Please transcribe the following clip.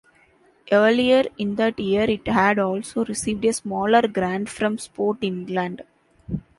Earlier in that year it had also received a smaller grant from Sport England.